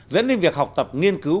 dẫn đến việc học tập nghiên cứu